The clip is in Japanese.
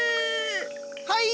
はい！